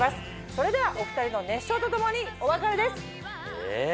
それではお２人の熱唱と共にお別れです。え。